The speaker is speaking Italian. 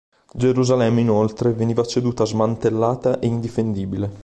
Gerusalemme inoltre veniva ceduta smantellata e indifendibile.